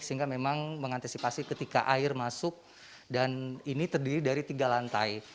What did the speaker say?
sehingga memang mengantisipasi ketika air masuk dan ini terdiri dari tiga lantai